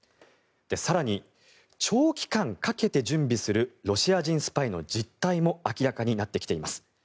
更に、長期間かけて準備するロシア人スパイの実態も明らかになってきています。